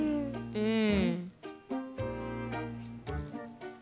うん。